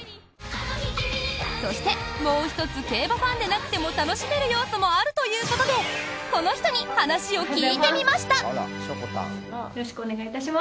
そして、もう１つ競馬ファンでなくても楽しめる要素もあるということでこの人に話を聞いてみました。